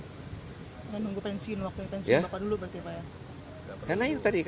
dan munggu pensiun waktu pensiun bapak dulu berarti pak ya